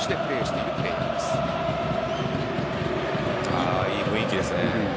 いい雰囲気ですね。